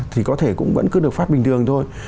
thì có thể cũng vẫn cứ được phát bình thường thôi